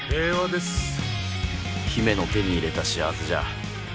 姫の手に入れた幸せじゃ